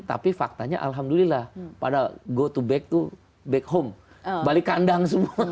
tapi faktanya alhamdulillah pada go to back to back home balik kandang semua